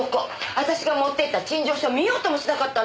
私が持ってった陳情書見ようともしなかったんですよ。